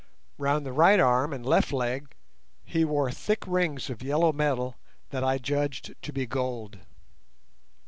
Round the right arm and left leg he wore thick rings of yellow metal that I judged to be gold.